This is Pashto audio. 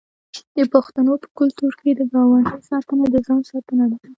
د پښتنو په کلتور کې د ګاونډي ساتنه د ځان ساتنه ده.